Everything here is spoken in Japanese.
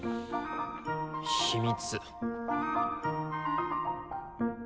秘密。